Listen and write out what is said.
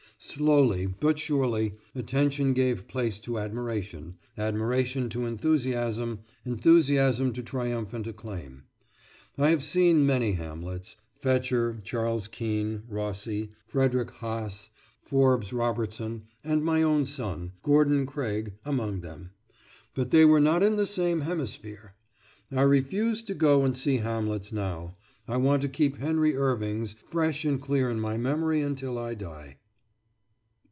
Slowly, but surely, attention gave place to admiration, admiration to enthusiasm, enthusiasm to triumphant acclaim. I have seen many Hamlets, Fechter, Charles Kean, Rossi, Friedrich Haase, Forbes Robertson, and my own son, Gordon Craig, among them, but they were not in the same hemisphere! I refuse to go and see Hamlets now. I want to keep Henry Irving's fresh and clear in my memory until I die.